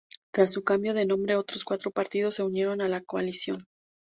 Tras su cambio de nombre, otros cuatro partidos se unieron a la coalición.